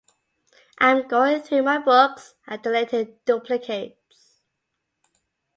I'm going through my books and donating duplicates.